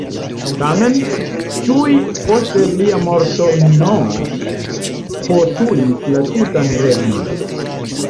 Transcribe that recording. Tamen, tuj post lia morto Minoo postulis la tutan regnon.